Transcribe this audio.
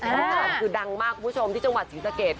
อันนี้คือดังมากคุณผู้ชมที่จังหวัดจีนเสกร็จค่ะ